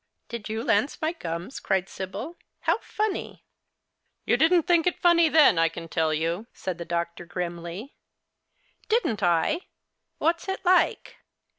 " Did you lance my gums ?" cried Sibyl. " How funny !"" You didn't think it funny then, I can tell you," said the doctor, grimly. "Didn't I? What's it like?